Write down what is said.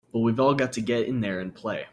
But we've all got to get in there and play!